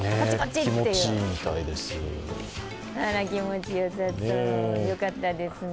気持ちよさそう、よかったですね。